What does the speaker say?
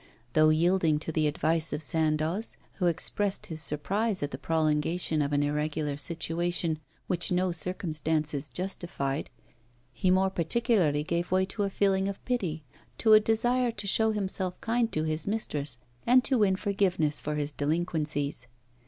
Though yielding to the advice of Sandoz, who expressed his surprise at the prolongation of an irregular situation which no circumstances justified, he more particularly gave way to a feeling of pity, to a desire to show himself kind to his mistress, and to win forgiveness for his delinquencies.